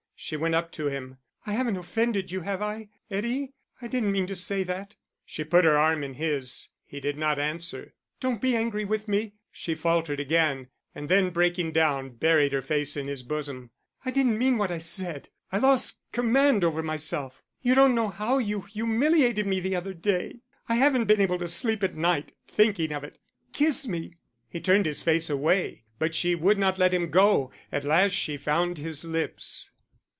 She went up to him. "I haven't offended you, have I, Eddie? I didn't mean to say that." She put her arm in his; he did not answer. "Don't be angry with me," she faltered again, and then breaking down, buried her face in his bosom. "I didn't mean what I said I lost command over myself. You don't know how you humiliated me the other day. I haven't been able to sleep at night, thinking of it.... Kiss me." He turned his face away, but she would not let him go; at last she found his lips.